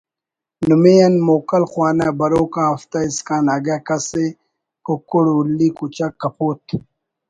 نمے آن موکل خوانہ بروک آ ہفتہ اسکان اگہ کس ءِ ”ککڑ“ ”ہلی“ ”کچک“ ”کپوت“